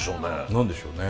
何でしょうね。